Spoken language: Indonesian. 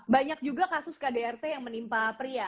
banyak juga kasus kdrt yang menimpa pria